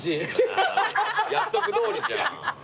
約束どおりじゃん。